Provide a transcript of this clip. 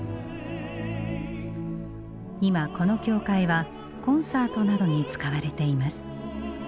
今この教会はコンサートなどに使われています。